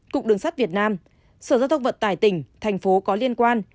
cục đường sắt việt nam sở giao thông vận tải tỉnh thành phố có liên quan